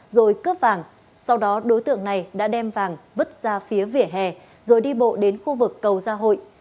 rồi cướp vàng sau đó đối tượng này đã đem vàng vứt ra phía vỉa hè rồi đi bộ đến khu vực cầu gia hội